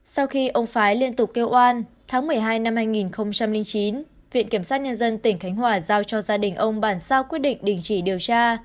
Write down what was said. sau khi ông phái liên tục kêu oan tháng một mươi hai năm hai nghìn chín viện kiểm sát nhân dân tỉnh khánh hòa giao cho gia đình ông bản sao quyết định đình chỉ điều tra